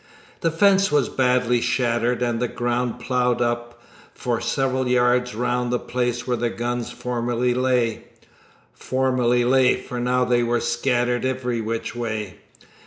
The fence was badly shattered and the ground ploughed up for several yards round the place where the guns formerly lay formerly lay, for now they were scattered every which way.